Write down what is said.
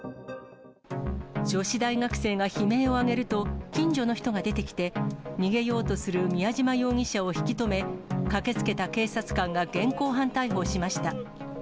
女子大学生が悲鳴を上げると、近所の人が出てきて、逃げようとする宮嶋容疑者を引き止め、駆けつけた警察官が現行犯逮捕しました。